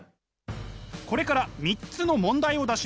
これから３つの問題を出します。